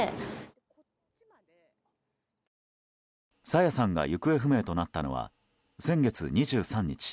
朝芽さんが行方不明となったのは先月２３日。